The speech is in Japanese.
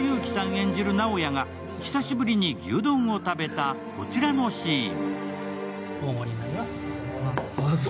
演じる直哉が久しぶりに牛丼を食べたこちらのシーン。